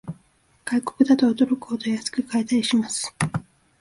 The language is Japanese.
外国だと驚くほど安く買えたりします